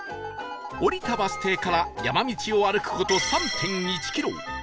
降りたバス停から山道を歩く事 ３．１ キロ